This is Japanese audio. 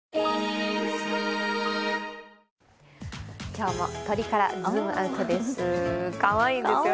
今日も鳥からズームアウトです。